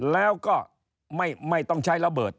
แล้วก็ไม่ต้องใช้ระเบิด